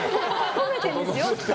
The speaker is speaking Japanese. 褒めてるんですよ。